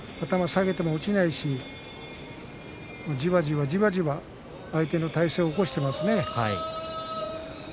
頭を下げても落ちないしじわじわじわじわ相手の体勢を起こしていますね。